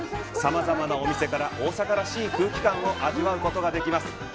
さまざまなお店から大阪らしい空気感を味わうことができます。